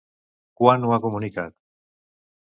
Quan ho ha comunicat?